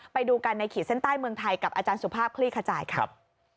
ไปดูกันในขีดเส้นใต้เมืองไทยกับอาจารย์สุภาพคลี่ขจายครับ